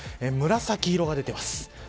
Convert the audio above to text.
紫色が出ています。